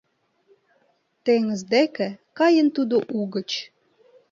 Теҥыз деке каен тудо угыч